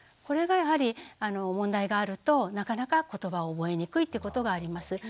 これがやはり問題があるとなかなかことばを覚えにくいってことがあります。